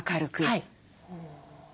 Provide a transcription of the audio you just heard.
はい。